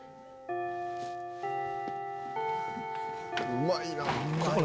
うまいなぁ。